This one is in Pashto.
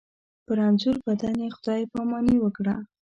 په رنځور بدن یې خدای پاماني وکړه.